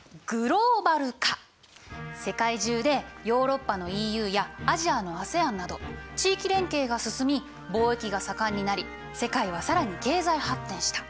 世界中でヨーロッパのＥＵやアジアのＡＳＥＡＮなど地域連携が進み貿易が盛んになり世界は更に経済発展した。